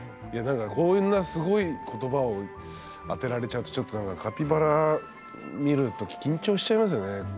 いや何かこんなすごい言葉を当てられちゃうとちょっと何かカピバラ見る時緊張しちゃいますよね。